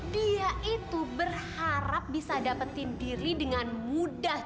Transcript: dia itu berharap bisa dapetin diri dengan mudah